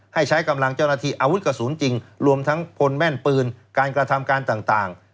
ให้ใช้กำลังเจ้าหน้าที่อาวุธกระสุนจริงรวมทั้งพลแม่นปืนการกระทำการต่าง